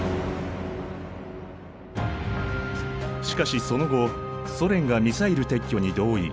しかしその後ソ連がミサイル撤去に同意。